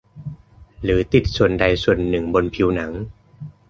หรือติดส่วนใดส่วนหนึ่งบนผิวหนัง